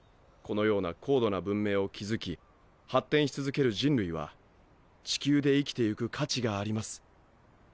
このような高度な文明を築き発展し続ける人類は地球で生きていく価値があります。